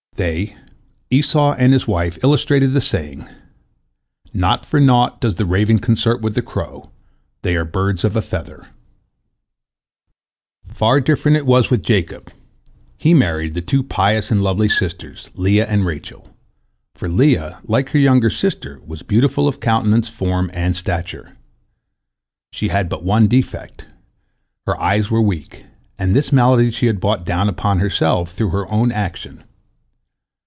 They, Esau and his wife, illustrated the saying, "Not for naught does the raven consort with the crow; they are birds of a feather." Far different it was with Jacob. He married the two pious and lovely sisters, Leah and Rachel, for Leah, like her younger sister, was beautiful of countenance, form, and stature. She had but one defect, her eyes were weak, and this malady she had brought down upon herself, through her own action.